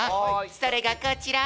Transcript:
それがこちら！